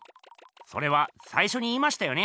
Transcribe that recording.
それは最初に言いましたよね。